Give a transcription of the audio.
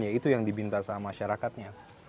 ya itu yang dibinta sama masyarakatnya